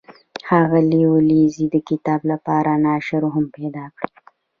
ښاغلي ولیزي د کتاب لپاره ناشر هم پیدا کړ.